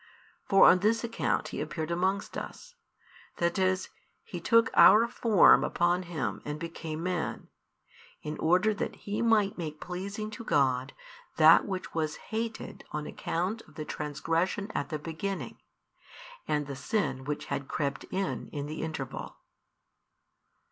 For on this account He appeared amongst us; that is, He took our form upon Him and became Man, in order that He might make pleasing to God that which was hated on account of the transgression at the beginning, and the sin which had crept in in the interval.